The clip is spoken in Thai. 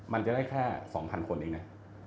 มันจะได้แค่๒๐๐คนเองนะ